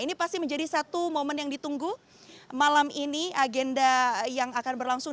ini pasti menjadi satu momen yang ditunggu malam ini agenda yang akan berlangsung